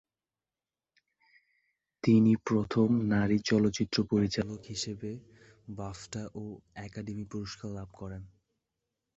তিনি প্রথম নারী চলচ্চিত্র পরিচালক হিসেবে বাফটা ও একাডেমি পুরস্কার লাভ করেন।